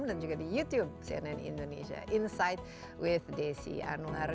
dan juga di youtube cnn indonesia insight with desy anwar